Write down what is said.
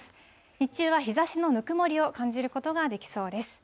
日中は日ざしのぬくもりを感じることができそうです。